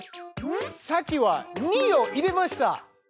さっきは「２」を入れました！